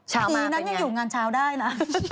ช้ามาเป็นอย่างไรพี่นั้นยังอยู่งานเช้าได้นะ